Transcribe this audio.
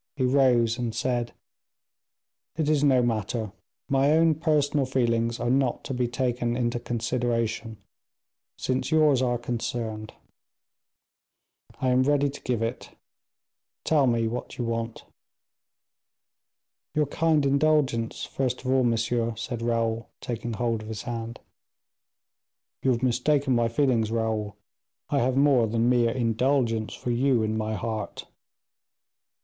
He rose and said, "It is no matter. My own personal feelings are not to be taken into consideration since yours are concerned; I am ready to give it. Tell me what you want." "Your kind indulgence, first of all, monsieur," said Raoul, taking hold of his hand. "You have mistaken my feelings, Raoul, I have more than mere indulgence for you in my heart."